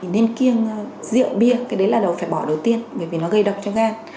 nên kiêng rượu bia cái đấy là đầu phải bỏ đầu tiên bởi vì nó gây độc cho các gan